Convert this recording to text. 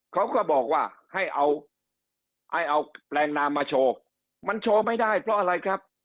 เขาก็บอกว่าให้เอาให้เอาแปลงนามมาโชว์มันโชว์ไม่ได้เพราะอะไรครับ